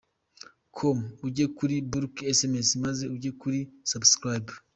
com ujye kuri bulk sms, maze ujye kuri subscribe.